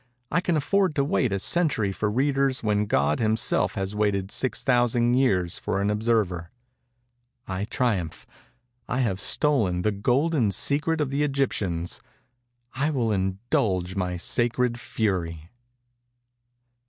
I can afford to wait a century for readers when God himself has waited six thousand years for an observer. I triumph. I have stolen the golden secret of the Egyptians. I will indulge my sacred fury.